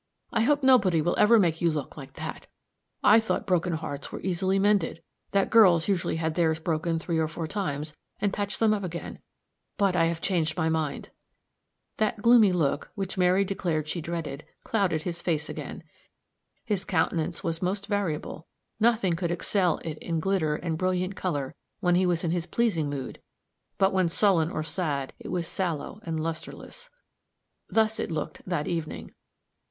"I hope nobody will ever make you look like that! I thought broken hearts were easily mended that girls usually had theirs broken three or four times, and patched them up again but I have changed my mind." That gloomy look, which Mary declared she dreaded, clouded his face again. His countenance was most variable; nothing could excel it in glitter and brilliant color when he was in his pleasing mood, but when sullen or sad, it was sallow and lusterless. Thus it looked that evening.